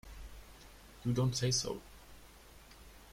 You don't say so!